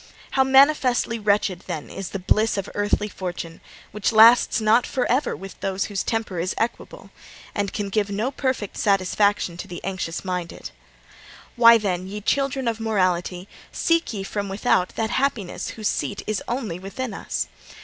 How manifestly wretched, then, is the bliss of earthly fortune, which lasts not for ever with those whose temper is equable, and can give no perfect satisfaction to the anxious minded! 'Why, then, ye children of mortality, seek ye from without that happiness whose seat is only within us?